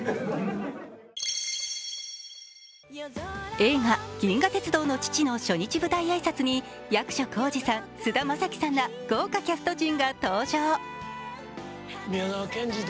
映画「銀河鉄道の父」の初日舞台挨拶に役所広司さん、菅田将暉さんら豪華キャスト陣が登場。